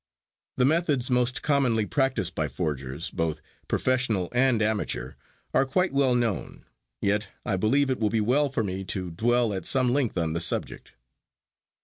The methods most commonly practiced by forgers, both professional and amateur, are quite well known, yet I believe it will be well for me to dwell at some length on the subject.